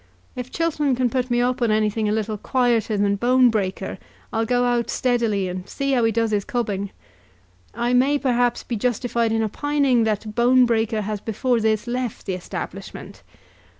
If Chiltern can put me up on anything a little quieter than Bonebreaker, I'll go out steadily, and see how he does his cubbing. I may, perhaps, be justified in opining that Bonebreaker has before this left the establishment.